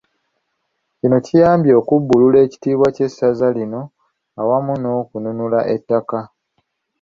Kino kiyambye okubbulula ekitiibwa ky'essaza lino awamu n'okununula ettaka.